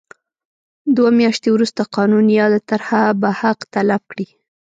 دوه میاشتې وروسته قانون یاده طرحه به حق تلف کړي.